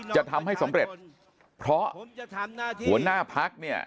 จะทำให้สำเร็จเพราะหัวหน้าพักเนี่ย